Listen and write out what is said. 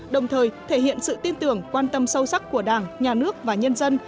đồng thời thể hiện sự tin tưởng quan tâm sâu sắc của đảng nhà nước và nhân dân